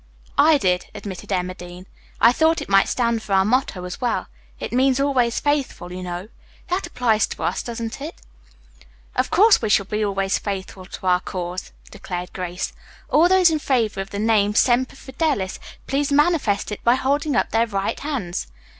"I did," admitted Emma Dean. "I thought it might stand for our motto as well. It means 'always faithful,' you know. That applies to us, doesn't it?" "Of course we shall be always faithful to our cause," declared Grace. "All those in favor of the name Semper Fidelis, please manifest it by holding up their right hands."